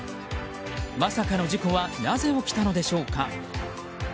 まさかの事故はなぜ起きたのでしょうか。